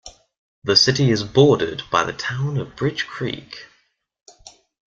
The city is bordered by the Town of Bridge Creek.